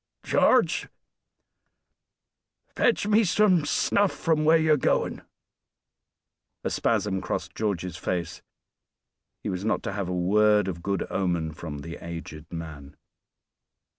"George, fetch me some snuff from where you're going." A spasm crossed George's face; he was not to have a word of good omen from the aged man.